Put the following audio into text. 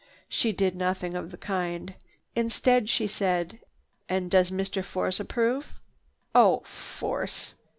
She did nothing of the kind. Instead, she said: "And does Mr. Force approve?" "Oh, Force!"